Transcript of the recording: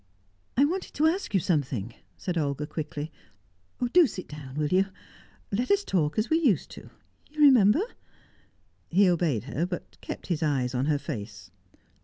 "I wanted to ask you something," said Olga quickly. "Do sit down will you? Let us talk as we used to you remember?" He obeyed her, but kept his eyes on her face.